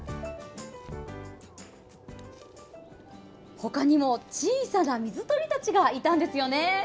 他にも小さな水鳥たちがいたんですよね。